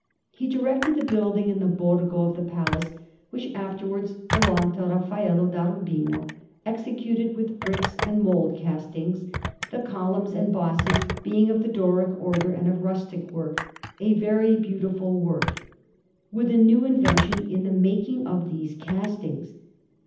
He directed the building, in the Borgo, of the palace which afterwards belonged to Raffaello da Urbino, executed with bricks and mould castings, the columns and bosses being of the Doric Order and of rustic work a very beautiful work with a new invention in the making of these castings.